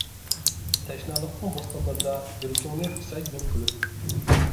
تەشنالىقنىڭ بوستانلىرىدا، يۈرىكىڭنى قىساي گۈل قىلىپ.